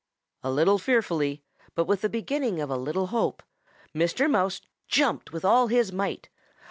"A little fearfully but with the beginning of a little hope Mr. Mouse jumped with all his might.